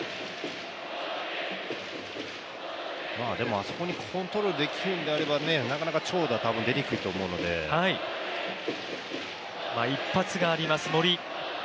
あそこにコントロールできるのであればね、なかなか長打、出にくいと思うので一発があります、森。